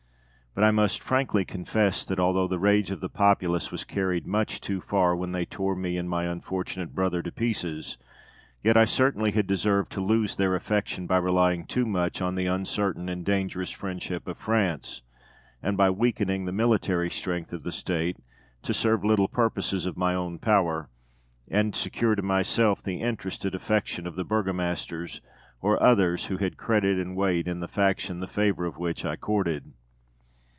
But I must frankly confess that, although the rage of the populace was carried much too far when they tore me and my unfortunate brother to pieces, yet I certainly had deserved to lose their affection by relying too much on the uncertain and dangerous friendship of France, and by weakening the military strength of the State, to serve little purposes of my own power, and secure to myself the interested affection of the burgomasters or others who had credit and weight in the faction the favour of which I courted.